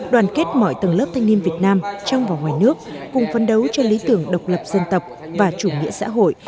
đoàn kết mọi tầng lớp thanh niên việt nam trong và ngoài nước cùng phấn đấu cho lý tưởng độc lập dân tộc và chủ nghĩa xã hội